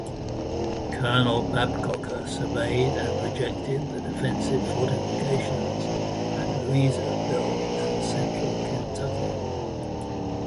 Colonel Babcock surveyed and projected the defensive fortifications at Louisville and Central Kentucky.